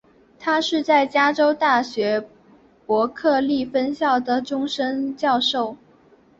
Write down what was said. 他是在加州大学伯克利分校的终身教授。